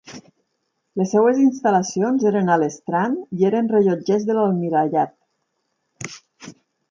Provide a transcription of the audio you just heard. Les seves instal·lacions eren a l'Strand i eren rellotgers de l'Almirallat.